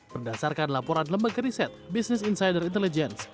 berdasarkan laporan lembaga riset business insider intelligence